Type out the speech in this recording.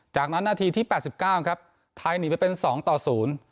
จากนั้นนาทีที่แปดสิบเก้าครับไทยหนีไปเป็นสองต่อศูนย์